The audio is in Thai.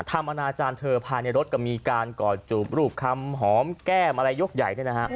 ทำอาณาจารย์เธอพาในรถกับมีการก่อจูบรูปคำหอมแก้มอะไรยกใหญ่